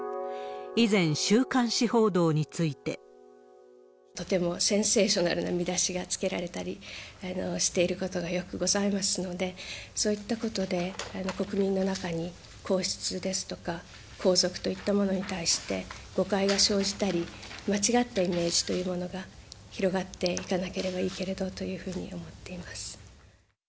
以前、週刊誌報道について。とてもセンセーショナルな見出しがつけられたりしていることがよくございますので、そういったことで国民の中に、皇室ですとか皇族といったものに対して誤解が生じたり、間違ったイメージというものが広がっていかなければいいけれどというふうに思っております。